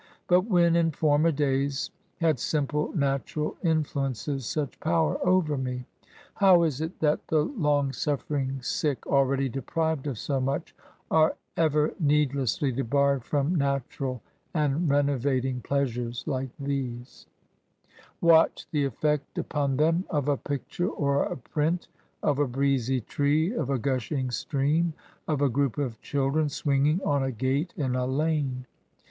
But when, in former days, had simple, natural influences such power over me ? How is it that the long suflfering sick, already deprived of so much, are ever needlessly debarred from natural and renovating pleasures like these ? d3 58 ESSAYS. Watch the effect upon them of a picture^ or a print of a breezy tree, — of a gushing stream,— of a group of children swinging on a gate in a lane.